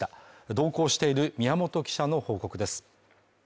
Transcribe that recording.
同行している宮本記者の報告です。